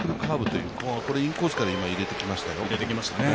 今、インコースから入れてきましたよ。